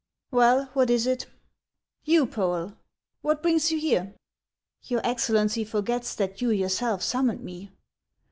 WKLL, what is it ? You, Poel ! what brings you here?" " Your Excellency forgets that you yourself summoned me."